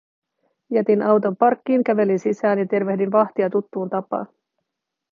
Jätin auton parkkiin, kävelin sisään ja tervehdin vahtia tuttuun tapaan.